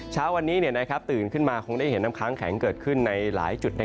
เช้าวันนี้ตื่นขึ้นมาคงได้เห็นน้ำค้างแข็งเกิดขึ้นในหลายจุด